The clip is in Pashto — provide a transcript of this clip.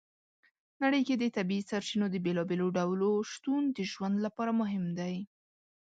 نړۍ کې د طبیعي سرچینو د بېلابېلو ډولو شتون د ژوند لپاره مهم دی.